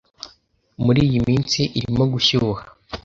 Muri iyi minsi irimo gushyuha.